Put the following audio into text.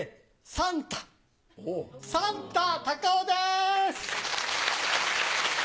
サンタ隆夫です！